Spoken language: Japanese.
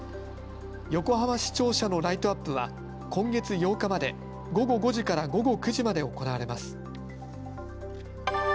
横浜市庁舎のライトアップは今月８日まで、午後５時から午後９時まで行われます。